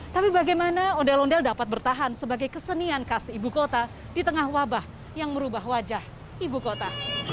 tapi bagaimana ondel ondel dapat bertahan sebagai kesenian khas ibu kota di tengah wabah yang merubah wajah ibu kota